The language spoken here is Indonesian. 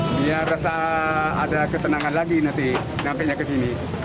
biar rasa ada ketenangan lagi nanti sampai ke sini